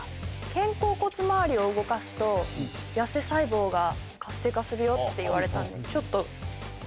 肩甲骨まわりを動かすと痩せ細胞が活性化するよって言われたんでちょっと。